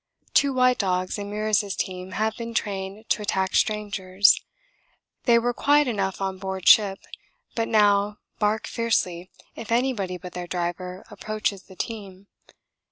Two white dogs in Meares' team have been trained to attack strangers they were quiet enough on board ship, but now bark fiercely if anyone but their driver approaches the team.